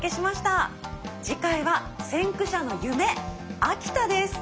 次回は「先駆者の夢秋田」です。